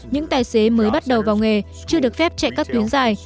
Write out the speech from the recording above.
những tài xế mới bắt đầu vào nghề chưa được phép chạy các tuyến dài